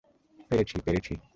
পেরেছি, পেরেছি।